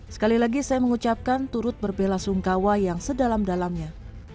sekali lagi saya mengucapkan turut berbela sungkawa yang sedalam dalamnya